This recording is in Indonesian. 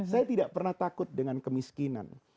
saya tidak pernah takut dengan kemiskinan